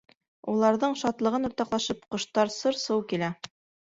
Уларҙың шатлығын уртаҡлашып, ҡоштар сыр-сыу килә.